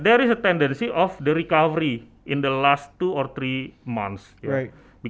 tapi ada tendensi penyelamat di beberapa bulan terakhir